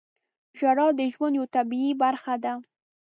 • ژړا د ژوند یوه طبیعي برخه ده.